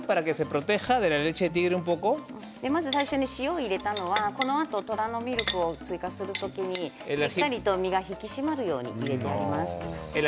最初に水を入れたのはこのあと虎のミルクを追加する時に身が引き締まるように入れてあります。